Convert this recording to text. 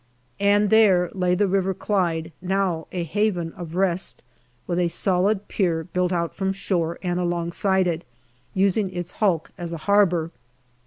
And there lay the River Clyde, now a haven of rest, with a solid pier built out from shore and alongside it, using its hulk as a harbour.